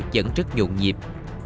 vẫn rất nhộn nhịp